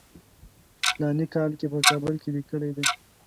په فلاني کال کې په کابل کې لیکلی دی.